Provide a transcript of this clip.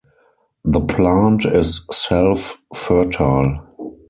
The plant is self-fertile.